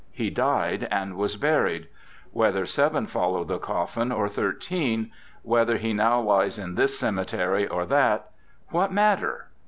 He died and was buried. Whether seven fol lowed the coffin, or thirteen; whether he now lies in this cemetery or that; what matter?